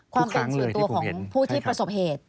ความเป็นส่วนตัวของผู้ที่ประสบเหตุ